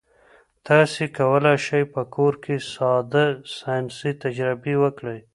تاسي کولای شئ په کور کې ساده ساینسي تجربې وکړئ.